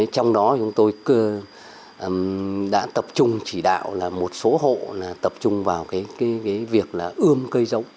trong đó chúng tôi đã tập trung chỉ đạo là một số hộ tập trung vào việc ươm cây giống